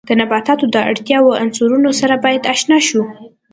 د نباتاتو د اړتیاوو عنصرونو سره باید آشنا شو.